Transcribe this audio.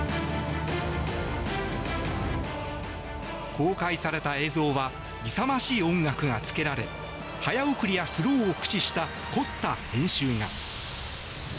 公開された映像は勇ましい音楽がつけられ早送りやスローを駆使した凝った編集が。